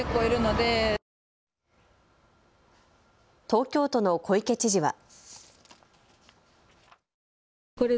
東京都の小池知事は。